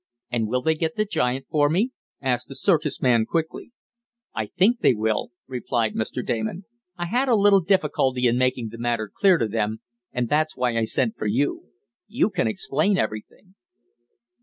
"And will they get the giant for me?" asked the circus man quickly. "I think they will," replied Mr. Damon. "I had a little difficulty in making the matter clear to them, and that's why I sent for you. You can explain everything."